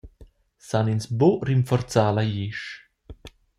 San ins buca rinforzar la glisch?